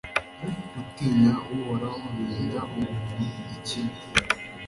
gutinya Uhoraho birinda umuntu ikibi